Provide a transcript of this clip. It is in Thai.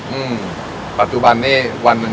มีวันหยุดเอ่ออาทิตย์ที่สองของเดือนค่ะ